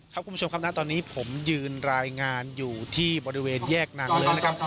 คุณผู้ชมครับณตอนนี้ผมยืนรายงานอยู่ที่บริเวณแยกนางเลิ้งนะครับ